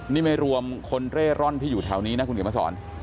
นี่ไม่รวมคนเร่ร่อนที่อยู่แถวนี้นะคุณเขียนมาสอน